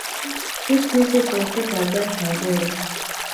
This music will take your breath away.